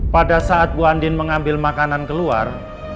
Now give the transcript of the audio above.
pada saat bu andin mengambil makanan keluar